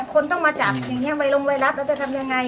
คนต้องมาจับอย่างนี้วัยลงไวรัสแล้วจะทำยังไง